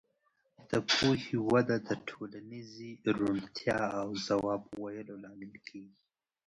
د پوهې وده د ټولنیزې روڼتیا او ځواب ویلو لامل کېږي.